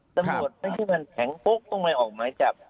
ไม่ใช่มันแข็งปุ๊บต้องไปออกหมายจับ